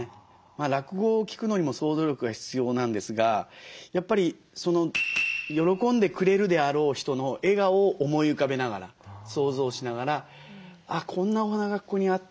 落語を聴くのにも想像力が必要なんですがやっぱり喜んでくれるであろう人の笑顔を思い浮かべながら想像しながら「あっこんなお花がここにあったら」